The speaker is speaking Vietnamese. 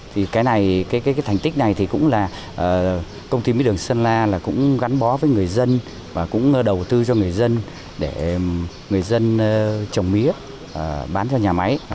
thì cái này cái thành tích này thì cũng là công ty mía đường sơn la là cũng gắn bó với người dân và cũng đầu tư cho người dân để người dân trồng mía bán cho nhà máy